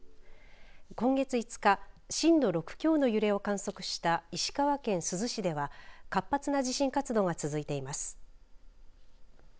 今月５日震度６強の揺れを観測した石川県珠洲市では活発な地震活動が続いています。